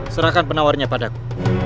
serahkan penawarnya padaku